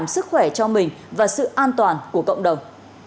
sức khỏe cho mình và sự an toàn của cộng đồng